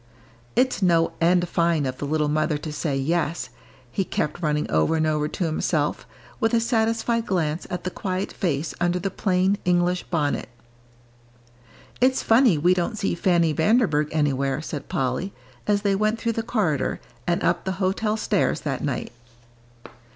"It's no end fine of the little mother to say 'yes,'" he kept running over and over to himself, with a satisfied glance at the quiet face under the plain, English bonnet. "It's funny we don't see Fanny Vanderburgh anywhere," said Polly, as they went through the corridor and up the hotel stairs that night.